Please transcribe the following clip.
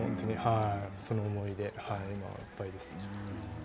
その思いで今はいっぱいです。